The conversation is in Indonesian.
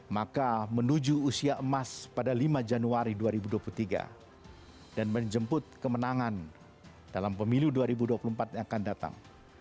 maka menuju usia emas pada lima januari dua ribu dua puluh tiga dan menjemput kemenangan dalam pemilu dua ribu dua puluh empat yang akan datang